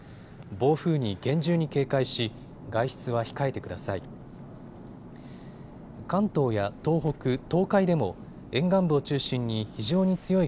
暴風に厳重に警戒し、外出は控えてください。